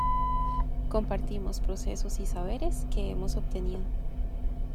compartimos procesos y saberes que hemos obtenido